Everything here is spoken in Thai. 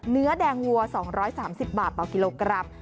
เนื้อแดงวัว๒๓๐บาทต่อกิโลกรัม